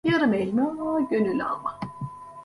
Yarım elma, gönül alma.